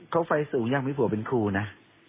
เค้าไปสิ่งอย่างมีผัววันเป็นครูนะ